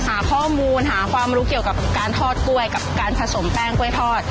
หาข้อมูลหาความรู้เกี่ยวกับการทอดกล้วยกับการผสมแป้งกล้วยทอด